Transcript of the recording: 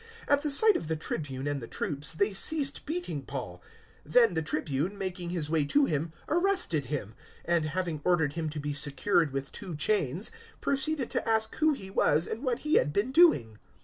At the sight of the Tribune and the troops they ceased beating Paul. 021:033 Then the Tribune, making his way to him, arrested him, and, having ordered him to be secured with two chains, proceeded to ask who he was and what he had been doing.